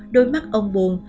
đôi mắt ông buồn